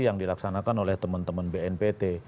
yang dilaksanakan oleh teman teman bnpt